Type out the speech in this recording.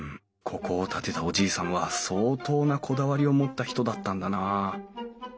ここを建てたおじいさんは相当なこだわりを持った人だったんだなあ。